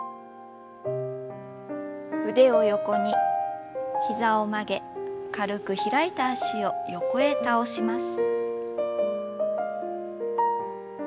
腕を横にひざを曲げ軽く開いた脚を横へ倒します。